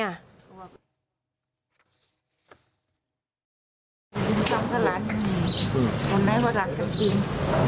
ทำไมหลานย่าของผู้ตายก็ไม่รักจริง